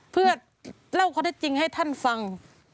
เพื่อเล่าความจริงให้ท่านฟัง